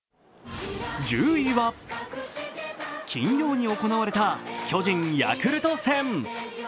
１０位は、金曜に行われた巨人×ヤクルト戦。